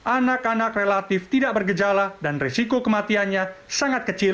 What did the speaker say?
anak anak relatif tidak bergejala dan risiko kematiannya sangat kecil